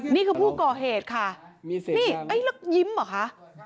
นี่คือผู้ก่อเหตุค่ะนี่ยิ้มเหรอคะ